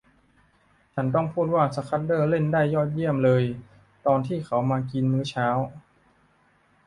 ฉันต้องพูดว่าสคัดเดอร์เล่นได้ยอดเยี่ยมเลยตอนที่เขามากินมื้อเช้า